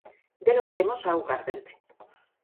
Del obtemos a augardente.